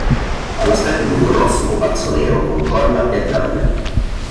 Ha l'aspetto di un grosso pupazzo nero con corna e zanne.